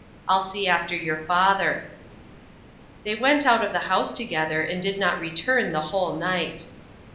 I'll see after your father." They went out of the house together, and did not return the whole night.